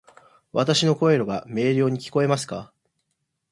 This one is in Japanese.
わたし（の声）が明瞭に聞こえますか？